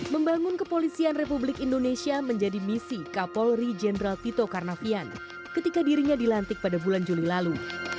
membangun kepolisian republik indonesia menjadi misi kapolri jenderal tito karnavian ketika dirinya dilantik pada bulan juli lalu